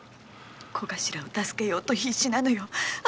小頭を助けようと必死なのよ！